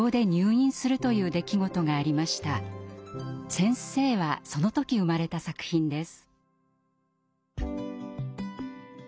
「先生」はその時生まれた作品です。